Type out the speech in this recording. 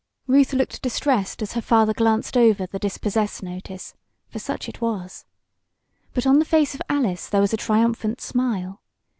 Ruth looked distressed as her father glanced over the dispossess notice, for such it was. But on the face of Alice there was a triumphant smile.